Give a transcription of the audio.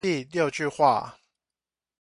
第六句話